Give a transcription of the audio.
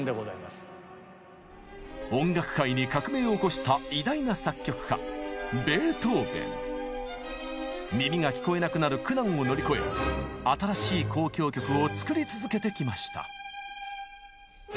音楽界に革命を起こした偉大な作曲家耳が聞こえなくなる苦難を乗り越え新しい交響曲を作り続けてきました。